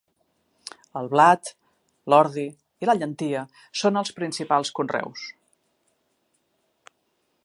El blat, l'ordi i la llentia són els principals conreus.